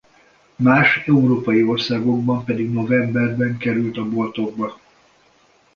Más európai országokban pedig novemberben került a boltokba.